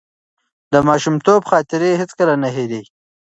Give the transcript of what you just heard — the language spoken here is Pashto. د ماشومتوب خاطرې هیڅکله نه هېرېږي.